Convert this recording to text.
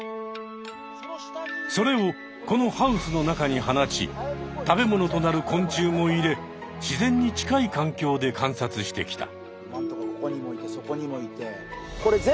それをこのハウスの中に放ち食べ物となる昆虫も入れ自然に近い環境で観察してきた。